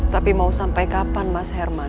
tapi mau sampai kapan mas herman